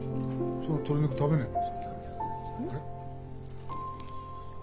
その鶏肉食べねえの？